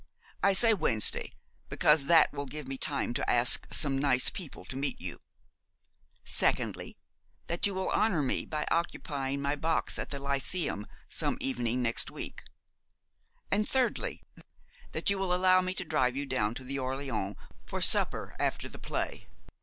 I say Wednesday because that will give me time to ask some nice people to meet you; secondly, that you will honour me by occupying my box at the Lyceum some evening next week; and thirdly, that you will allow me to drive you down to the Orleans for supper after the play.